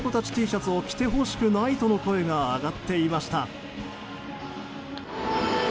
Ｔシャツを着てほしくないとの声が上がっていました。